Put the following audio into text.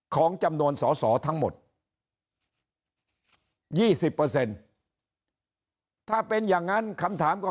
ของจำนวนสอสอทั้งหมด๒๐ถ้าเป็นอย่างนั้นคำถามก็